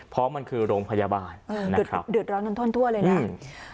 เพราะมันคือโรงพยาบาลเออนะครับเดือดร้อนท่อนทั่วเลยน่ะอืม